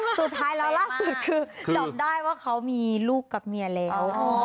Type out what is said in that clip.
สุดท้ายแล้วล่าสุดคือจับได้ว่าเขามีลูกกับเมียแล้ว